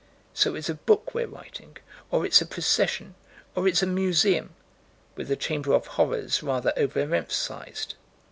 So it's a book we're writing, or it's a procession, or it's a museum, with the Chamber of Horrors rather over emphasized.